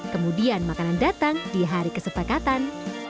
kemudian makanan datang di hari kesepakatan